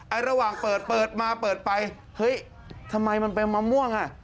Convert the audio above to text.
ระหว่างเปิดเปิดมาเปิดไปเฮ้ยทำไมมันเป็นมะม่วงอ่ะ